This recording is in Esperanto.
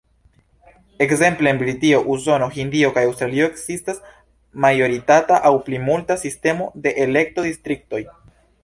Ekzemple en Britio, Usono, Hindio kaj Aŭstralio ekzistas majoritata aŭ plimulta sistemo de elekto-distriktoj.